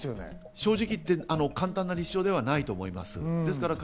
正直言って簡単な立証ではないです。